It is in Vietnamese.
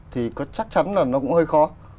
thì có chắc chắn là nó cũng hơi khó